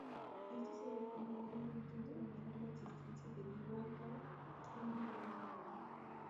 Esto se ve como un nuevo intento de negar la existencia de Gibraltar internacionalmente.